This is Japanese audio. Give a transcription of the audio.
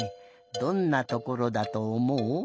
どんなところだとおもう？